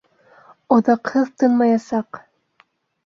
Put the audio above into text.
Оҙаҡһыҙ тынмаясаҡ!